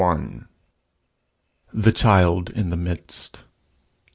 _ THE CHILD IN THE MIDST.